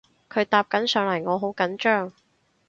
佢搭緊上嚟我好緊張